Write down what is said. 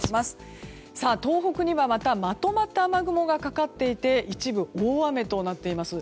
東北にはまたまとまった雨雲がかかっていて一部、大雨となっています。